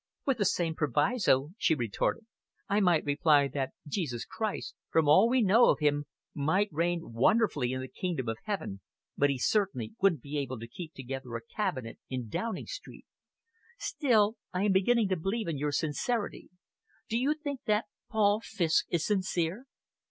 "With the same proviso," she retorted, "I might reply that Jesus Christ, from all we know of him, might reign wonderfully in the Kingdom of Heaven, but he certainly wouldn't be able to keep together a Cabinet in Downing Street! Still, I am beginning to believe in your sincerity. Do you think that Paul Fiske is sincere?"